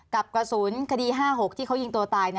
กับกระสุนคดี๕๖ที่เขายิงตัวตาย